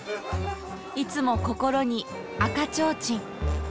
いつも心に赤ちょうちん。